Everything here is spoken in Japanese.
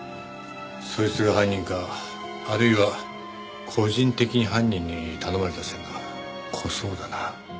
そいつが犯人かあるいは個人的に犯人に頼まれた線が濃そうだな。